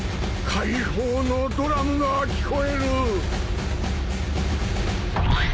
解放のドラムが聞こえる。